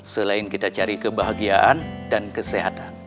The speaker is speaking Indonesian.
selain kita cari kebahagiaan dan kesehatan